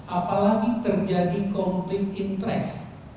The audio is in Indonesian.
apalagi terjadi konflik interes